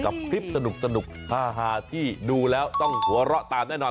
กับคลิปสนุกฮาที่ดูแล้วต้องหัวเราะตามแน่นอน